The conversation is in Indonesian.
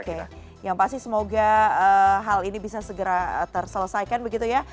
oke yang pasti semoga hal ini bisa segera terselesaikan begitu ya